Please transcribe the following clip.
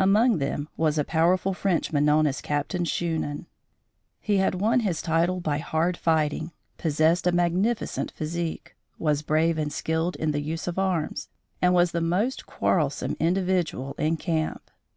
Among them was a powerful Frenchman known as Captain Shunan. He had won his title by hard fighting, possessed a magnificent physique, was brave and skilled in the use of arms, and was the most quarrelsome individual in camp.